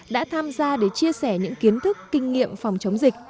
đã tham gia để chia sẻ những kiến thức kinh nghiệm phòng chống dịch